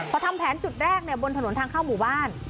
พอทำแผนจุดแรกบนถนนทางเข้าหมู่บ้าน